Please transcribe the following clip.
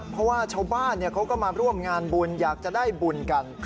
เพราะว่าชาวบ้านเขาก็มาร่วมงานบุญอยากจะได้บุญกัน